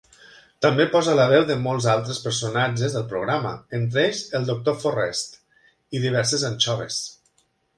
També posa la veu de molts altres personatges del programa, entre ells el doctor Forrest i diverses anxoves.